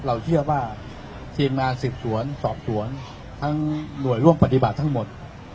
เราเชื่อว่าทีมงานสืบสวนสอบสวนทั้งหน่วยร่วมปฏิบัติทั้งหมด